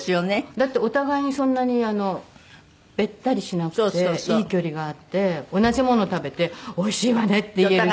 だってお互いにそんなにべったりしなくていい距離があって同じもの食べておいしいわねって言える。